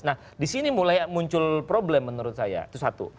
nah disini mulai muncul problem menurut saya itu satu